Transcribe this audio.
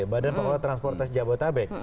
badan pengelola transportasi jabodetabek